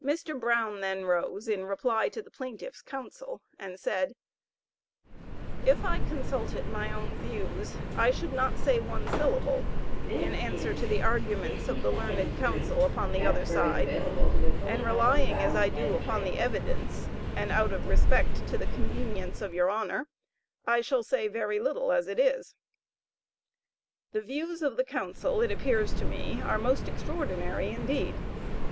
Mr. Brown then rose in reply to the plaintiff's counsel, and said: If I consulted my own views, I should not say one syllable, in answer to the arguments of the learned counsel upon the other side, and relying as I do upon the evidence, and out of respect to the convenience of your honor, I shall say very little as it is. The views of the counsel it appears to me, are most extraordinary indeed.